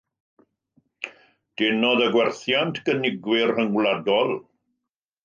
Denodd y gwerthiant gynigwyr rhyngwladol.